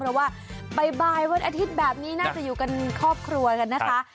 หรือว่าบ๊ายบายวันอาทิตย์แบบนี้น่าจะอยู่กับครอบครัวนะคะ